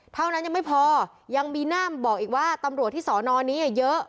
เท่านั้นยังไม่พอยังมีหน้ามบอกอีกว่าตำรวจที่สอนอนี้เยอะ